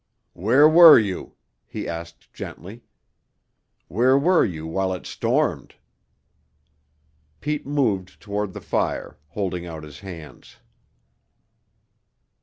"Where were you," he asked gently "where were you while it stormed?" Pete moved toward the fire, holding out his hands.